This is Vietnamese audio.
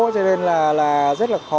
cho nên là rất là khó